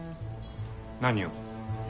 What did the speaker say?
何を？